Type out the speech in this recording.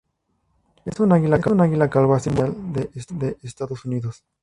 Es un águila calva, símbolo nacional de los Estados Unidos.